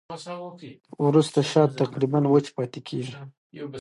وروسته شات تقریباً وچ پاتې کېږي.